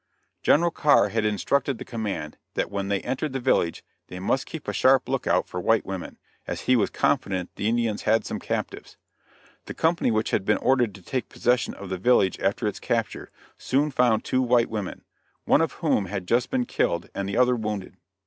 General Carr had instructed the command that when they entered the village, they must keep a sharp look out for white women, as he was confident the Indians had some captives. The company which had been ordered to take possession of the village after its capture, soon found two white women, one of whom had just been killed and the other wounded.